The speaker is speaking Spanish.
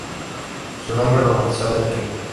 Su nombre romanizado es Brian.